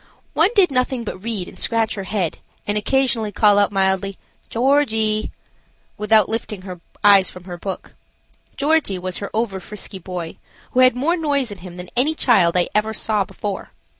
One did nothing but read and scratch her head and occasionally call out mildly, "Georgie," without lifting her eyes from her book. "Georgie" was her over frisky boy, who had more noise in him than any child I ever saw before.